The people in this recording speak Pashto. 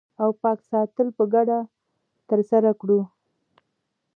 او پاک ساتل په ګډه ترسره کړو